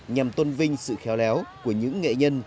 nhằm tôn vinh sự khéo léo của những nghệ nhân